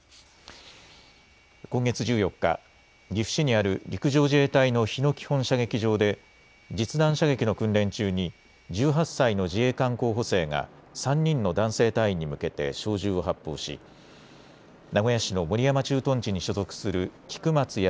今月１４日、岐阜市にある陸上自衛隊の日野基本射撃場で実弾射撃の訓練中に１８歳の自衛官候補生が３人の男性隊員に向けて小銃を発砲し名古屋市の守山駐屯地に所属する菊松安